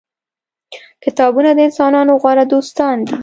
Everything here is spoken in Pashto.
کتابونه د انسانانو غوره دوستان دي.